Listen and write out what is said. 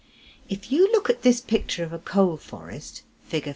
If you look at this picture of a coal forest (Fig.